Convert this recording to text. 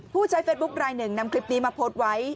ผู้ใช้เฟซบุ๊คลายหนึ่งนำคลิปนี้มาโพสต์ไว้